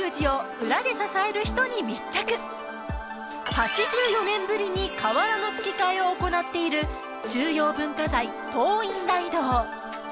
８４年ぶりに瓦の葺替えを行っている重要文化財・東院礼堂！